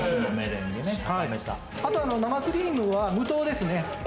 あと生クリームは無糖ですね。